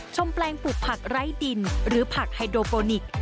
แปลงปลูกผักไร้ดินหรือผักไฮโดโปนิกส